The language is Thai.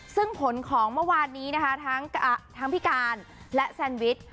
ซึ่งผลของเมื่อวานนี้นะคะทั้งพี่การและแซนวิช